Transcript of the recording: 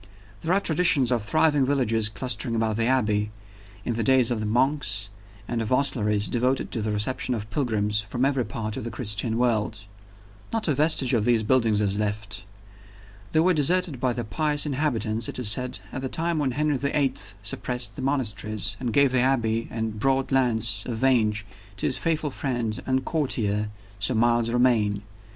There are traditions of thriving villages clustering about the Abbey, in the days of the monks, and of hostleries devoted to the reception of pilgrims from every part of the Christian world. Not a vestige of these buildings is left. They were deserted by the pious inhabitants, it is said, at the time when Henry the Eighth suppressed the monasteries, and gave the Abbey and the broad lands of Vange to his faithful friend and courtier, Sir Miles Romayne.